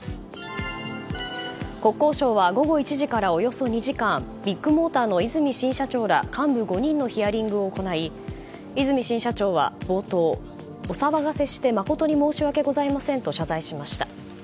国交省は午後１時からおよそ２時間ビッグモーターの和泉新社長ら幹部５人のヒアリングを行い和泉新社長は冒頭、お騒がせして誠に申し訳ございませんと謝罪しました。